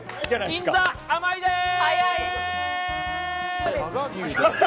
銀座、甘いでーす！